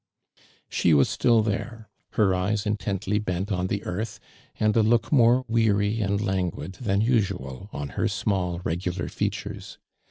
She was still there, her eyes intently bent on the earth, and a look more weary and languid than usual on her small regular features.